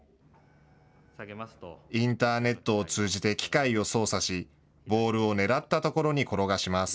インターネットを通じて機械を操作し、ボールを狙ったところに転がします。